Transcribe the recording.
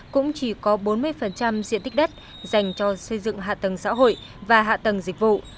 cũng chỉ có bốn mươi diện tích đất dành cho xây dựng hạ tầng xã hội và hạ tầng dịch vụ